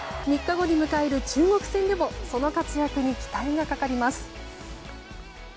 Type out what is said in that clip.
３日後に迎える中国戦でもその活躍に期待がかかります。